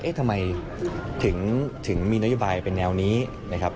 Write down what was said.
ทำไมถึงมีนโยบายเป็นแนวนี้นะครับ